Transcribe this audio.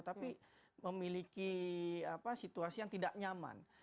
tapi memiliki situasi yang tidak nyaman